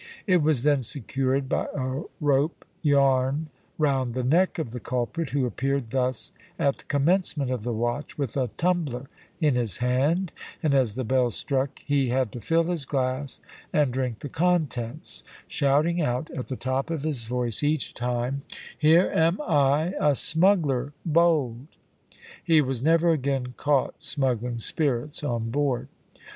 It was then secured by a rope yarn round the neck of the culprit, who appeared thus at the commencement of the watch with a tumbler in his hand, and as the bell struck he had to fill his glass and drink the contents, shouting out at the top of his voice each time, `Here am I, a smuggler bold!' He was never again caught smuggling spirits on board.